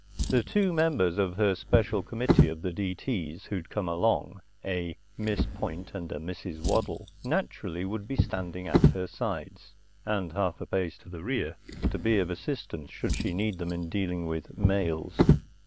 The two members of her special committee of the D.T.'s who'd come along, a Miss Point and a Mrs. Waddle, naturally would be standing at her sides, and a half pace to the rear, to be of assistance should she need them in dealing with males.